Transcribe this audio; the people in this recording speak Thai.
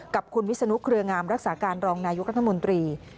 กับคุณวิศนุเครืองามรักษาการรองนายกรัฐมนตรี